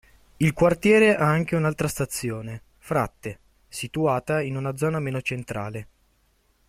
Il quartiere ha anche un'altra stazione, Fratte, situata in una zona meno centrale.